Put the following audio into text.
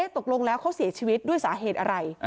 ตกลงแล้วเขาเสียชีวิตด้วยสาเหตุอะไร